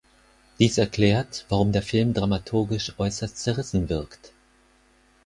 Dies erklärt, warum der Film dramaturgisch äußerst zerrissen wirkt.